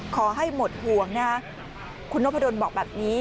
ขอให้หมดห่วงนะคุณโลภาโดนบอกแบบนี้